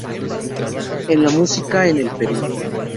En La Música en el Perú.